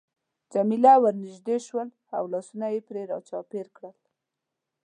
جميله ورنژدې شول او لاسونه يې پرې را چاپېره کړل.